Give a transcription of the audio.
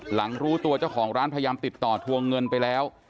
หลังรู้ตัวเจ้าของร้านพยายามติดต่อทวงเงินไปแล้ว